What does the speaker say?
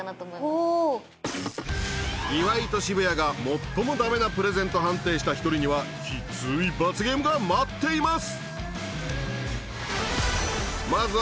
岩井と渋谷が最もだめなプレゼンと判定した１人にはきつい罰ゲームが待っています！